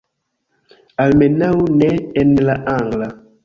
Almenaŭ ne en la angla